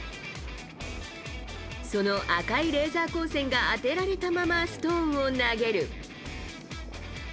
その赤いレーザー光線が当てられたままストーンを投げる。